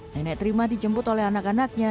nenek terima dijemput oleh anak anaknya